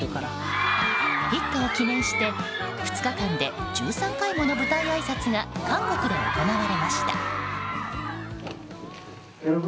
ヒットを記念して、２日間で１３回もの舞台あいさつが韓国で行われました。